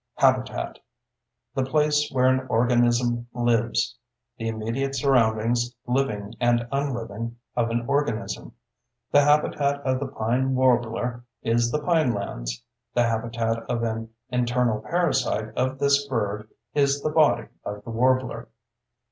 HABITAT: The place where an organism lives; the immediate surroundings, living and unliving, of an organism. The habitat of the pine warbler is the pinelands; the habitat of an internal parasite of this bird is the body of the warbler.